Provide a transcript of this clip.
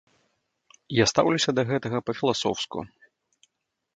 Я стаўлюся да гэтага па-філасофску.